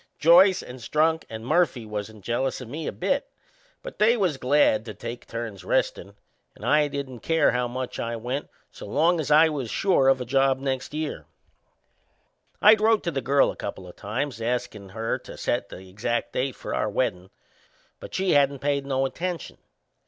Joyce and Strunk and Murphy wasn't jealous o' me a bit; but they was glad to take turns restin', and I didn't care much how I went so long as I was sure of a job next year. I'd wrote to the girl a couple o' times askin' her to set the exact date for our weddin'; but she hadn't paid no attention.